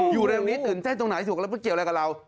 อยู่เรื่องนี้ตื่นเต้นตรงไหนโกรธดงร้านศักดิ์เกลียวกับเรา